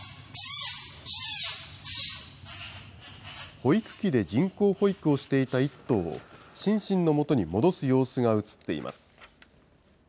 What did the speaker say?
保育器で人工保育をしていた１頭を、シンシンのもとに戻す様子が映っています。